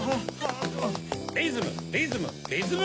リズムリズム！